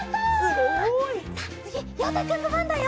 すごい！さあつぎようたくんのばんだよ。